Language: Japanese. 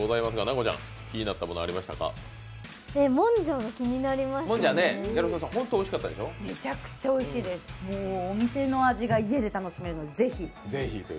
めちゃくちゃおいしいですお店の味が家で楽しめるのでぜひ。